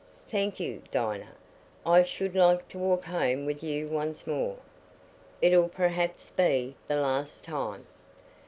"Thank you, Dinah; I should like to walk home with you once more. It'll perhaps be the last time."